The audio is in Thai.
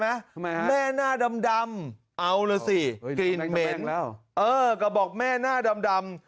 ทำไมฮะแม่หน้าดำเอาล่ะสิกลิ่นเหม็นเออก็บอกแม่หน้าดำ